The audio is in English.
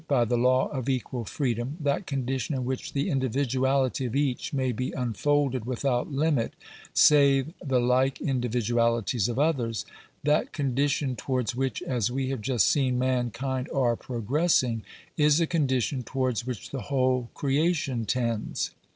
by the law of equal freedom — that condition in which the I individuality of each may be unfolded without limit, save the ilike individualities of others — that condition towards which, as we have just seen, mankind are progressing, is a condition towards which the whole creation tends.